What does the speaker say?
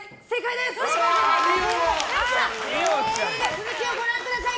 続きをご覧ください。